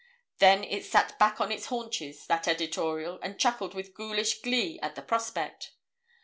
Then it sat back on its haunches, that editorial, and chuckled with goulish glee at the prospect.